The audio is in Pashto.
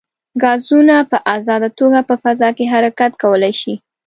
ګازونه په ازاده توګه په فضا کې حرکت کولی شي.